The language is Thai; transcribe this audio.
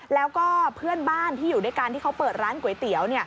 แล้วก็เพื่อนบ้านที่อยู่ด้วยกันที่เขาเปิดร้านก๋วยเตี๋ยว